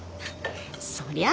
そりゃあ